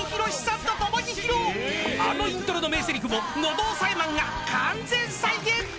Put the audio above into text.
［あのイントロの名せりふも喉押さえマンが完全再現！］